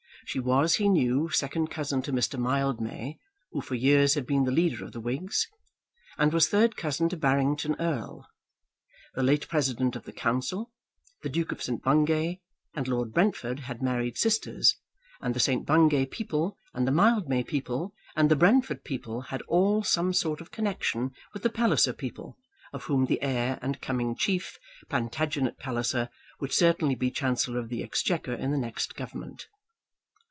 She was, he knew, second cousin to Mr. Mildmay, who for years had been the leader of the Whigs, and was third cousin to Barrington Erle. The late President of the Council, the Duke of St. Bungay, and Lord Brentford had married sisters, and the St. Bungay people, and the Mildmay people, and the Brentford people had all some sort of connection with the Palliser people, of whom the heir and coming chief, Plantagenet Palliser, would certainly be Chancellor of the Exchequer in the next Government.